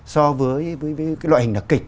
so với loại hình đặc kịch